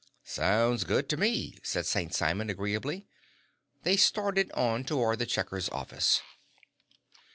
"Sounds good to me," said St. Simon agreeably. They started on toward the checker's office.